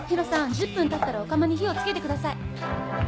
１０分たったらお釜に火をつけてください。